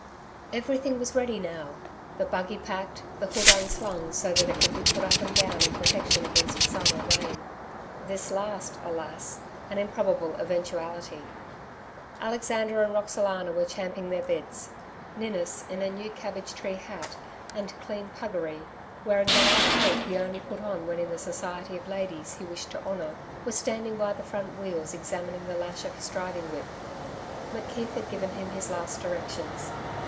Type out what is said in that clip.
Everything was ready now the buggy packed, the hood unslung so that it could be put up and down in protection against sun or rain this last alas! an improbable eventuality. Alexander and Roxalana were champing their bits. Ninnis in a new cabbage tree hat and clean puggaree, wearing the light coat he only put on when in the society of ladies he wished to honour, was standing by the front wheels examining the lash of his driving whip. McKeith had given him his last directions.